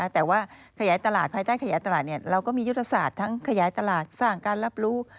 แต่ว่าขยายตลาดภายใต้ขยายตลาดเราก็มียุทธศาสตร์ทั้งขยายตลาดสร้างการรับรู้